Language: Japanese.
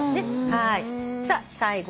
はい。